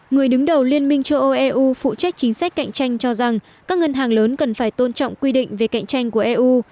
người đứng đầu liên minh châu âu eu phụ trách chính sách cạnh tranh cho rằng các ngân hàng lớn cần phải tôn trọng quy định về cạnh tranh của eu